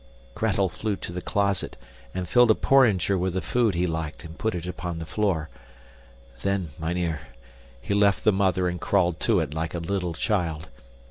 Gretel flew to the closet and filled a porringer with the food he liked and put it upon the floor. Then, mynheer, he left the mother and crawled to it like a little child.